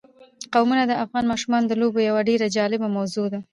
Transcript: قومونه د افغان ماشومانو د لوبو یوه ډېره جالبه موضوع ده.